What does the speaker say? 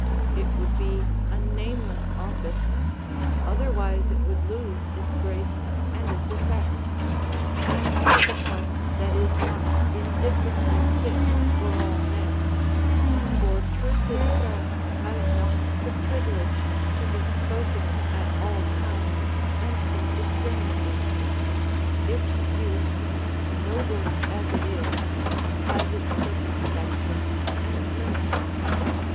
It would be a nameless office, otherwise it would lose its grace and its effect; and 'tis a part that is not indifferently fit for all men; for truth itself has not the privilege to be spoken at all times and indiscriminately; its use, noble as it is, has its circumspections and limits.